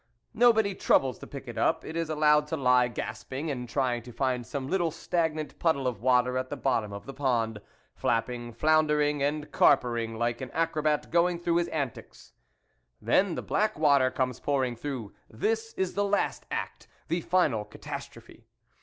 Nobody troubles to pick it up ; it is allowed to lie gasping, and trying to find some little stagnant puddle of water at the bottom of the pond, flapping, floundering and caper ing like an acrobat going through his antics. Then the black water comes pouring through; this is the last act, the final catastrophe.